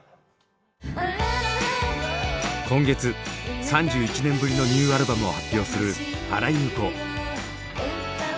今月３１年ぶりのニューアルバムを発表する原由子。